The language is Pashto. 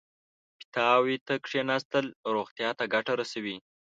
پیتاوي ته کېناستل روغتیا ته ګټه رسوي.